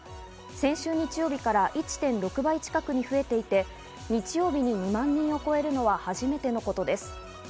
先週日曜日から１．６倍近くに増えていて、日曜日に２万人を超えるのは初めてのことです。